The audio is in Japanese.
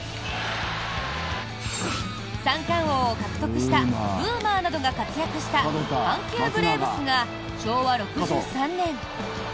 三冠王を獲得したブーマーなどが活躍した阪急ブレーブスが昭和６３年。